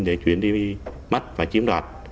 để chuyển đi mất và chiếm đoạt